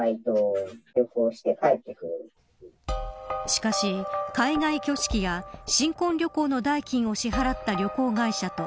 しかし海外挙式や新婚旅行の代金を支払った旅行会社と